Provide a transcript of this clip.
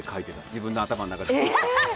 自分の頭の中で。